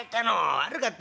悪かった。